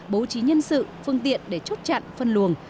bố trí nhân sự phương tiện để chốt chặn phân luồng